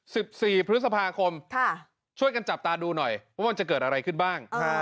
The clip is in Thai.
สิบสี่พฤษภาคมค่ะช่วยกันจับตาดูหน่อยว่ามันจะเกิดอะไรขึ้นบ้าง